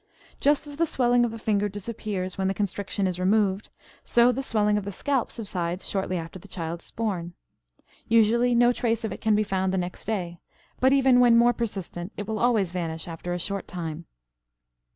Just as the swelling of the finger disappears when the constriction is removed, so the swelling of the scalp subsides shortly after the child is born. Usually no trace of it can be found the next day; but even when more persistent it will always vanish after a short time.